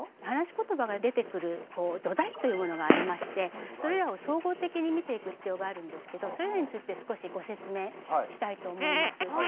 話しことばが出てくる土台というものがありましてそれらを総合的に見ていく必要があるんですけどそれらについて少しご説明したいと思います。